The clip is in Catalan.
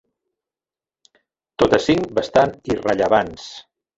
Totes cinc bastant irrellevants.